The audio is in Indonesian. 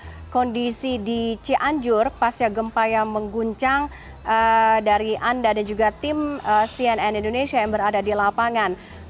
bagaimana kondisi di cianjur pasca gempa yang mengguncang dari anda dan juga tim cnn indonesia yang berada di lapangan